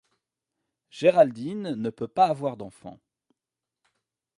Géraldine ne peut pas avoir d'enfant.